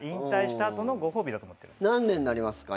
何年になりますか？